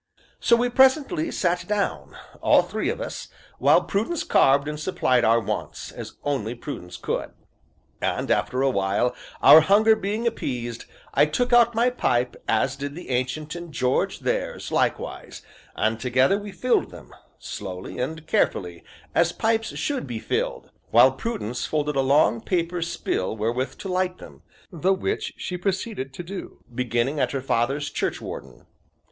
So we presently sat down, all three of us, while Prudence carved and supplied our wants, as only Prudence could. And after a while, our hunger being appeased, I took out my pipe, as did the Ancient and George theirs likewise, and together we filled them, slowly and carefully, as pipes should be filled, while Prudence folded a long, paper spill wherewith to light them, the which she proceeded to do, beginning at her grandfather's churchwarden.